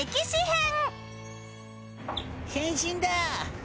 変身だ！